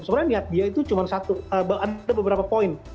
sebenarnya niat dia itu cuma satu ada beberapa poin